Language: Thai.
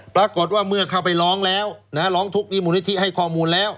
ปรากฏว่าเมื่อเข้าไปร้องแล้วร้องทุกข์นี้มูลนิธิให้ข้อมูลแล้ว